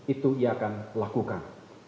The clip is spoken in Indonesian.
itu ia akan lakukan